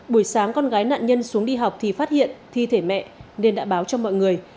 buổi sáng con gái nạn nhân xuống đi học thì phát hiện thi thể mẹ nên đã báo cho mọi người